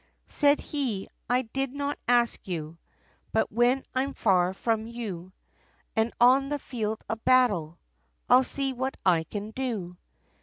Said he, "I did not ask you; But when I'm far from you, And on the field of battle, I'll see what I can do."